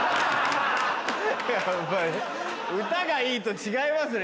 やっぱり歌がいいと違いますね。